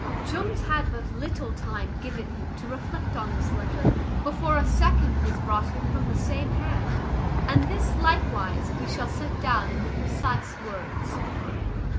Jones had but little time given him to reflect on this letter, before a second was brought him from the same hand; and this, likewise, we shall set down in the precise words.